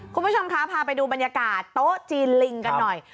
คุณผู้ชมคะพาไปดูบรรยากาศโต๊ะจีนลิงกันหน่อย